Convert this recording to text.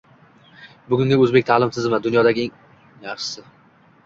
Bugingi uzbek talim tzimi - dunyodagi eng yaxshsi!